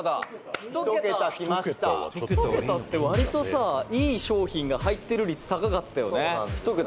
「一桁って割とさいい商品が入ってる率高かったよね」